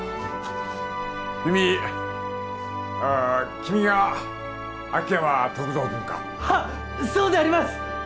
君君が秋山篤蔵君かはッそうであります